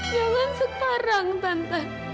jangan sekarang tante